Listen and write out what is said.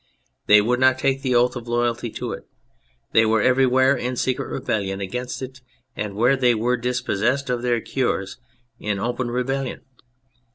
They would not take the oath of loyalty to it : they were everywhere in secret rebellion against it and, where they were dis possessed of their cures, in open rebellion.